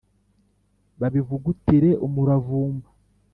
babivugutire umuravumba